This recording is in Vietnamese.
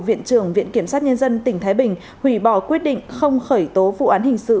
viện trưởng viện kiểm sát nhân dân tỉnh thái bình hủy bỏ quyết định không khởi tố vụ án hình sự